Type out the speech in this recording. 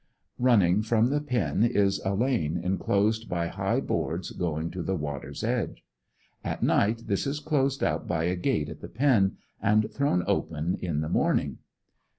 Running from the pen is a lane enclosed by high boards going to the water's edge. At night this is closed up by a gate at the pen, and thrown open in the morning.